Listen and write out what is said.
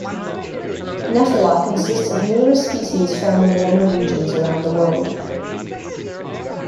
"Nephila" consists of numerous species found in warmer regions around the world.